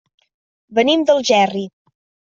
Venim d'Algerri.